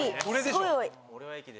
すごい多い。